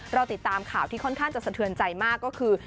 เราติดตามข่าวที่ค่อนข้างจะสะเทือนใจมากก็คือ